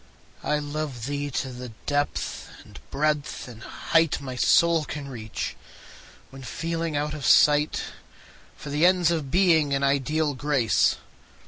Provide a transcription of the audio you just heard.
I love thee to the depth and breadth and height My soul can reach, when feeling out of sight For the ends of Being and ideal Grace.